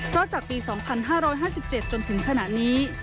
เพราะจากปี๒๕๕๗จนถึงขณะนี้